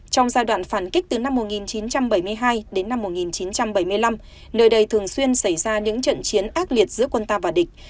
trong giai đoạn phản kích từ năm một nghìn chín trăm bảy mươi hai đến năm một nghìn chín trăm bảy mươi năm nơi đây thường xuyên xảy ra những trận chiến ác liệt giữa quân ta và địch